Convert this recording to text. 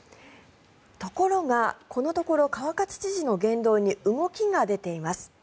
ところが、このところ川勝知事の言動に動きが出ています。